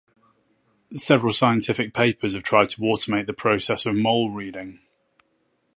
Several scientific papers have tried to automate the process of mole reading.